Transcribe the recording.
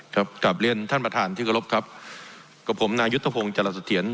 ครับกราบเรียนท่านบทธารณ์ธิกฎรพครับกับผมนายศวงศ์แตรสเทียร